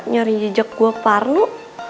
nyari jejak gue parnu